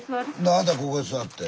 あなたここへ座って。